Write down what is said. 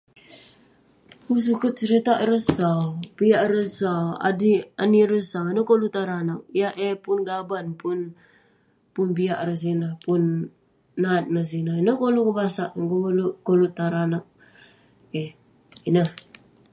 Pun suket seritak ireh sau, piak ireh sau..aneh ireh sau, ineh koluk tan ireh anag, yah eh pun gaban pun piak ireh sineh, pun nat neh sineh..ineh koluk ireh basak, koluk tan ireh anag, keh..ineh..